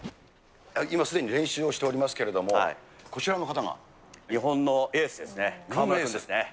今、すでに練習をしておりますけれども、こちらの方が、日本のエースですね。